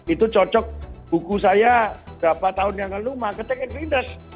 itu cocok buku saya berapa tahun yang lalu marketing influencers